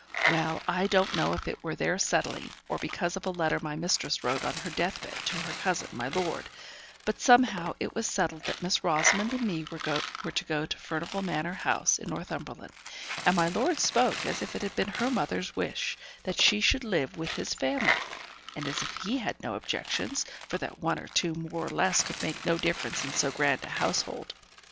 Well! I don't know if it were their settling, or because of a letter my mistress wrote on her death bed to her cousin, my lord; but somehow it was settled that Miss Rosamond and me were to go to Furnivall Manor House, in Northumberland, and my lord spoke as if it had been her mother's wish that she should live with his family, and as if he had no objections, for that one or two more or less could make no difference in so grand a household.